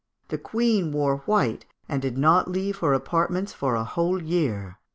The Queen wore white, and did not leave her apartments for a whole year.